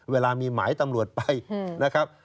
เวลามีหมายตำรวจไปนะครับ